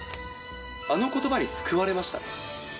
あのことばに救われましたね。